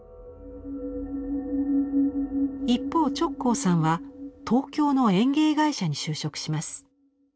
一方直行さんは東京の園芸会社に就職します。